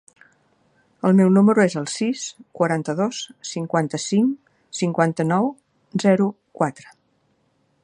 El meu número es el sis, quaranta-dos, cinquanta-cinc, cinquanta-nou, zero, quatre.